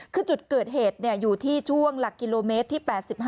คือจุดเกิดเหตุอยู่ที่ช่วงหลักกิโลเมตรที่๘๕